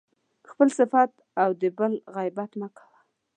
خپل صفت او د بل غیبت يې کاوه.